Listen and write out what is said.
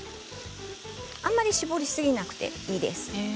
あまり絞りすぎなくていいですね。